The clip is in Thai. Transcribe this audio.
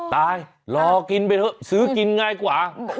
รอกินไปเถอะซื้อกินง่ายกว่า